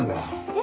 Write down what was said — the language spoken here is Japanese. え？